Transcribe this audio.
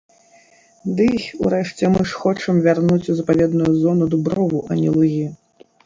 Ды й, урэшце, мы ж хочам вярнуць ў запаведную зону дуброву, а не лугі.